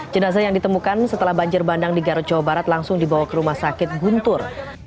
jenazah yang ditemukan setelah banjir bandang di garut jawa barat langsung dibawa ke rumah sakit guntur